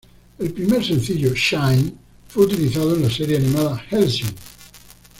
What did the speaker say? El primer sencillo "Shine" fue utilizado en la serie animada "Hellsing".